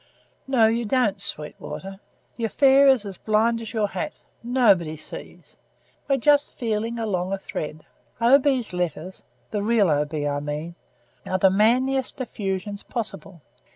"No, you don't, Sweetwater. The affair is as blind as your hat; nobody sees. We're just feeling along a thread. O. B.'s letters the real O. B., I mean, are the manliest effusions possible.